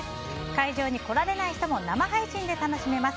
会場に来られない人も生配信で楽しめます。